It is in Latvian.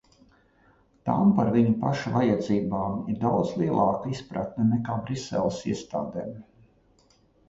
Tām par viņu pašu vajadzībām ir daudz lielāka izpratne nekā Briseles iestādēm.